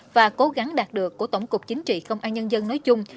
và cố gắng đạt được của tổng cục chính trị công an nhân dân nói chung